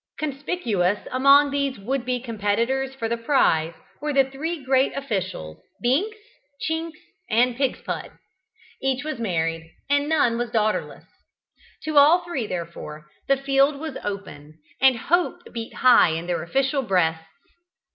Conspicuous among these would be competitors for the prize were the three great officials, Binks, Chinks, and Pigspud. Each was married, and none was daughterless. To all three, therefore, the field was open, and hope beat high in their official breasts.